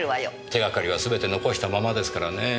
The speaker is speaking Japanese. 手掛かりは全て残したままですからね。